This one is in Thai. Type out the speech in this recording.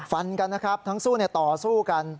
ฟันกันนะครับทั้งสู้ต่อสู้กัน